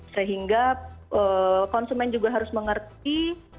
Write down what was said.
sehingga konsumen juga harus mengerti